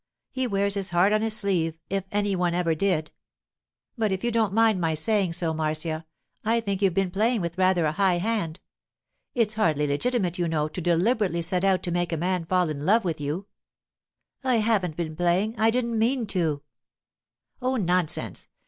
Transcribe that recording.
He wears his heart on his sleeve, if any one ever did. But if you don't mind my saying so, Marcia, I think you've been playing with rather a high hand. It's hardly legitimate, you know, to deliberately set out to make a man fall in love with you.' 'I haven't been playing. I didn't mean to.' 'Oh, nonsense!